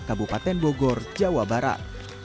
kebupaten bogor jawa barat